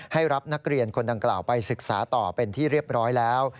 รับนักเรียนคนดังกล่าวไปศึกษาต่อเป็นที่เรียบร้อยแล้ว